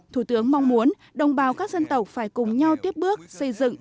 thủ tướng mong muốn đồng bào các dân tộc phải cùng nhau tiếp bước xây dựng